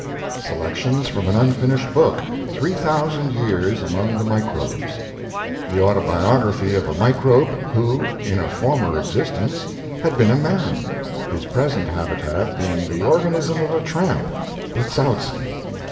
SELECTIONS FROM AN UNFINISHED BOOK, "3,000 YEARS AMONG THE MICROBES" THE AUTOBIOGRAPHY OF A MICROBE, WHO, IN A FORMER EXISTENCE, HAD BEEN A MAN HIS PRESENT HABITAT BEING THE ORGANISM OF A TRAMP, BLITZOWSKI.